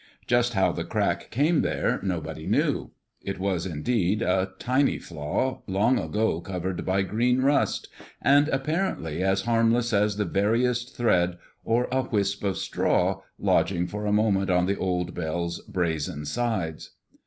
Just how the crack came there, nobody knew. It was, indeed, a tiny flaw, long ago covered by green rust, and apparently as harmless as the veriest thread or a wisp of straw, lodging for a moment on the old bell's brazen sides.